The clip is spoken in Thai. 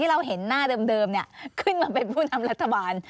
เราเห็นหน้าเดิมขึ้นมาเป็นผู้นำรัฐบาล